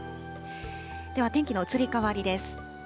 では天気の移り変わりです。